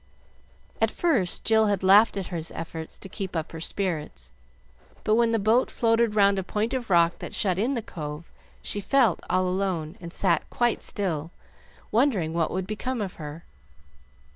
At first Jill had laughed at his efforts to keep up her spirits, but when the boat floated round a point of rock that shut in the cove, she felt all alone, and sat quite still, wondering what would become of her.